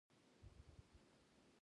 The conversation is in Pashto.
دا کیسه د پوهې، تکامل او ژونده نښلوي.